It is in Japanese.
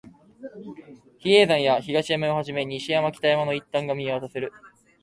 比叡山や東山をはじめ、西山、北山の一帯が見渡せる